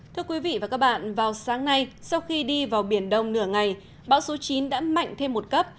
thưa quý vị và các bạn vào sáng nay sau khi đi vào biển đông nửa ngày bão số chín đã mạnh thêm một cấp